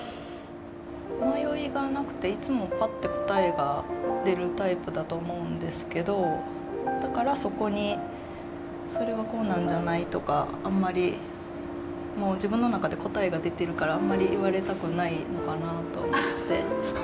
迷いがなくていつもパッて答えが出るタイプだと思うんですけどだからそこに「それはこうなんじゃない？」とかあんまりもう自分の中で答えが出てるからあんまり言われたくないのかと思って。